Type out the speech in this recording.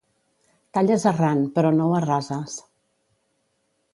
Talles arran, però no ho arrases.